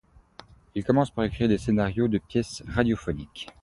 Il commence par écrire des scénarios de pièces radiophoniques.